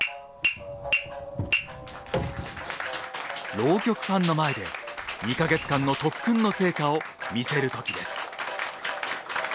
浪曲ファンの前で２か月間の特訓の成果を見せる時です。